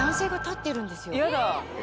やだ。